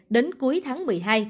đến cuối tháng một mươi hai